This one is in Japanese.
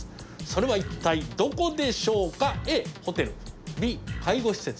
それは一体どこでしょうか？